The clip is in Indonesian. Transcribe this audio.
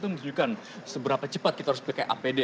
menunjukkan seberapa cepat kita harus pakai apd